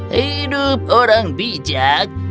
hidup orang bijak